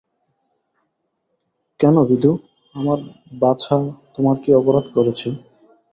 কেন বিধু, আমার বাছা তোমার কী অপরাধ করেছে।